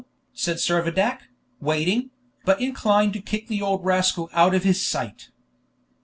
said Servadac, waiting, but inclined to kick the old rascal out of his sight.